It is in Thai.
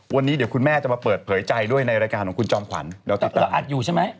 วันนี้คุณแม่จะมาเปิดเผยใจด้วยในรายการของคุณจอมขวัญเราอัดอยู่ใช่ไหม